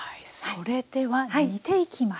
それでは煮ていきます。